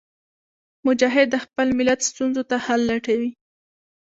مجاهد د خپل ملت ستونزو ته حل لټوي.